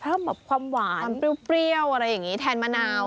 แบบความหวานเปรี้ยวอะไรอย่างนี้แทนมะนาว